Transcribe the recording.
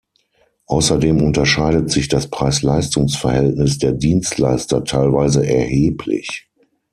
Außerdem unterscheidet sich das Preis-Leistungs-Verhältnis der Dienstleister teilweise erheblich.